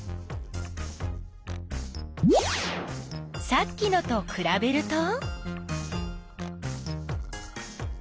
さっきのとくらべると？